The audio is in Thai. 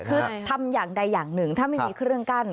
คือทำอย่างใดอย่างหนึ่งถ้าไม่มีเครื่องกั้น